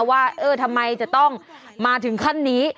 ว่าเออทำไมจะต้องมาถึงขั้นนี้